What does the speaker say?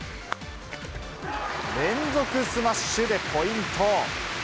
連続スマッシュでポイント。